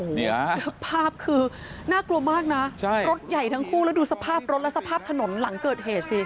เนี่ยภาพคือน่ากลัวมากนะรถใหญ่ทั้งคู่แล้วดูสภาพรถและสภาพถนนหลังเกิดเหตุสิ